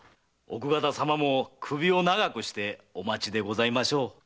奥方様も首を長くしてお待ちでございましょう。